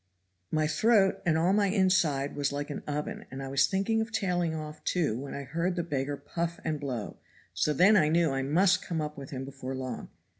My throat and all my inside was like an oven, and I was thinking of tailing off, too, when I heard the beggar puff and blow, so then I knew I must come up with him before long."